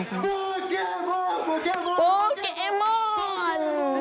โปเกมโมนโปเกมโมน